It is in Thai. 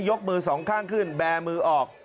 ยกมือสองข้างขึ้นแบร์มือออก